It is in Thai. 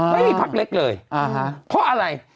ไม่มีพักเล็กเลยเพราะอะไร